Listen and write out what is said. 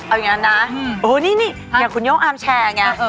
เอางั้นนะโอ้นี่อย่างคุณยกอาร์มแชร์ไง